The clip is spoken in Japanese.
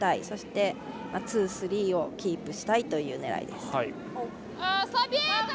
そしてツー、スリーをキープしたいという狙いです。